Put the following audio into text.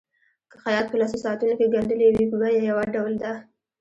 که خیاط په لسو ساعتونو کې ګنډلي وي بیه یو ډول ده.